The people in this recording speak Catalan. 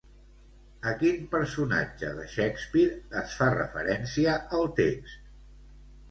A quin personatge de Shakespeare es fa referència al text?